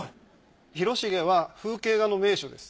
広重は風景画の名手です。